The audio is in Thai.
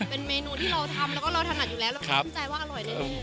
เป็นเมนูที่เราทำแล้วก็เราถนัดอยู่แล้วเราก็มั่นใจว่าอร่อยแน่